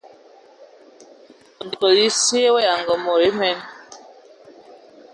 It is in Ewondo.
Nsol esye wa yanga mod emen.